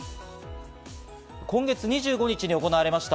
今月２５日に行われました